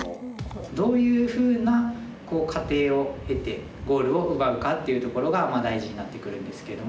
どういうふうな過程を経てゴールを奪うかっていうところが大事になってくるんですけども。